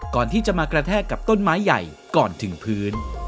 ก่อนที่จะมากระแทกกับต้นไม้ใหญ่ก่อนถึงพื้น